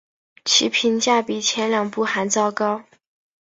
其评价比前两部还糟糕。